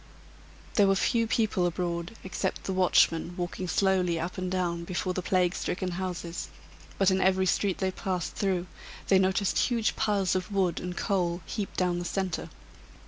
There were few people abroad, except the watchmen walking slowly up and down before the plague stricken houses; but in every street they passed through they noticed huge piles of wood and coal heaped down the centre.